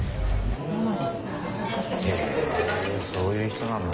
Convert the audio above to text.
へえそういう人なんだ。